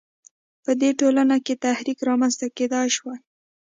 په دې ټولنو کې تحرک رامنځته کېدای شوای.